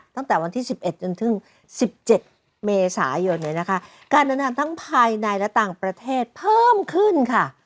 ตั้งแต่วันที่๑๑จนถึง๑๗เมษายนเลยนะคะการเดินทางทั้งภายในและต่างประเทศเพิ่มขึ้นค่ะ